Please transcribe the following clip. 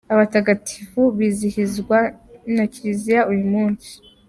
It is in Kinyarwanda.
Abatagatifu bizihizwa na Kiliziya uyu munsi:.